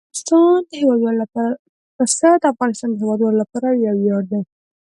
پسه د افغانستان د هیوادوالو لپاره یو ویاړ دی.